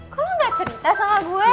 kok lo gak cerita sama gue